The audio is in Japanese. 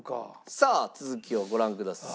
さあ続きをご覧ください。